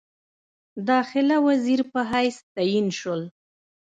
داخله وزیر په حیث تعین شول.